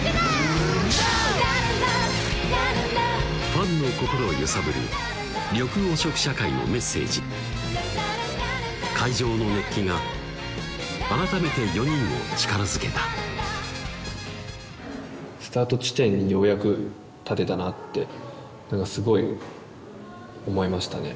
ファンの心を揺さぶる「緑黄色社会」のメッセージ会場の熱気が改めて４人を力づけたスタート地点にようやく立てたなってすごい思いましたね